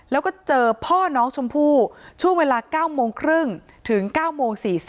แล้วก็เจอพ่อน้องชมพู่ช่วงเวลา๙โมงครึ่งถึง๙โมง๔๐